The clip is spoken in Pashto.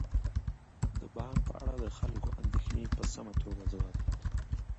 د بانک په اړه د خلکو اندیښنې په سمه توګه ځوابیږي.